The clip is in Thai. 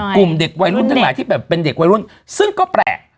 กลุ่มเด็กวัยรุ่นทั้งหลายที่แบบเป็นเด็กวัยรุ่นซึ่งก็แปลก